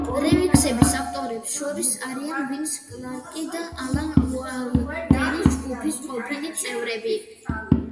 რემიქსების ავტორებს შორის არიან ვინს კლარკი და ალან უაილდერი, ჯგუფის ყოფილი წევრები.